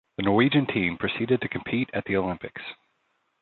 The Norwegian team proceeded to compete at the Olympics.